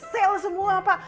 sale semua pak